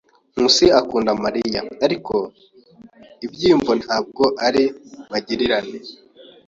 Nkusi akunda Mariya, ariko ibyiyumvo ntabwo ari magirirane.